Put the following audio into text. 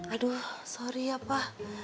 aduh sorry ya pa